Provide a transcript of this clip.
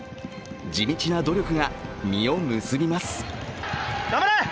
地道な努力が実を結びます。